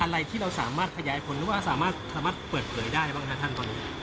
อะไรที่เราสามารถขยายผลหรือว่าสามารถเปิดเผยได้บ้างครับท่านตอนนี้